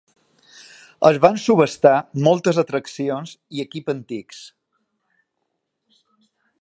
Es van subhastar moltes atraccions i equip antics.